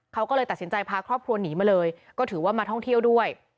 เขาก็เลยตัดสินใจพาครอบครัวหนีมาเลยก็ถือว่ามาท่องเที่ยวด้วย